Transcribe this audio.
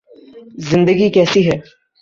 زندگی کیسی ہے